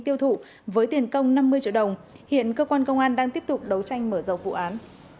tiêu thụ với tiền công năm mươi triệu đồng hiện cơ quan công an đang tiếp tục đấu tranh mở rộng vụ án